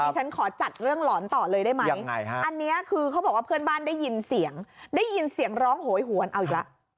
ฉันขอจัดเรื่องหลอนต่อเลยได้ไหมอันนี้คือเขาบอกว่าเพื่อนบ้านได้ยินเสียงได้ยินเสียงร้องโหยหวนเอาอีกแล้ว